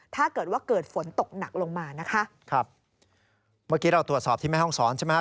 ถ้าเกิดว่าเกิดฝนตกหนักลงมานะคะครับเมื่อกี้เราตรวจสอบที่แม่ห้องศรใช่ไหมครับ